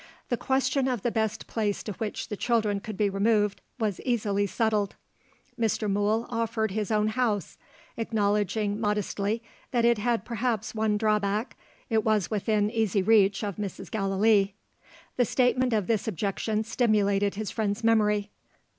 The question of the best place to which the children could be removed, was easily settled. Mr. Mool offered his own house; acknowledging modestly that it had perhaps one drawback it was within easy reach of Mrs. Gallilee. The statement of this objection stimulated his friend's memory.